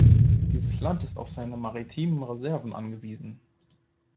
Dieses Land ist auf seine maritimen Reserven angewiesen.